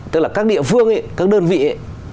tức là các địa phương ấy các đơn vị ấy